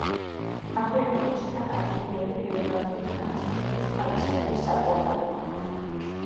აქვე აღმოჩნდა ადრინდელი ფეოდალური ხანის თიხის ნავისებრი სარკოფაგი.